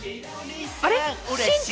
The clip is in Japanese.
あれ？